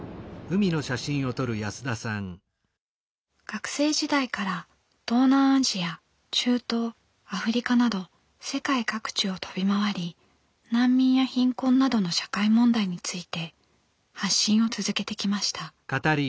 学生時代から東南アジア中東アフリカなど世界各地を飛び回り難民や貧困などの社会問題について発信を続けてきました。